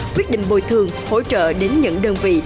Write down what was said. quyết định bồi thường hỗ trợ đến những đơn vị